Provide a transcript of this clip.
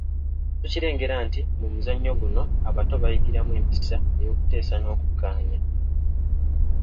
Tukirengera nti mu muzannyo guno abato bayigiramu empisa ey’okuteesa n’okukkaanya.